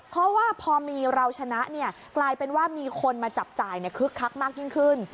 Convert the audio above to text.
เพราะว่าพอมีเราชนะกลายเป็นว่ามีคนมาจับจ่ายคึกคักมากยิ่งขึ้น